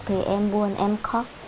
thì em buồn em khóc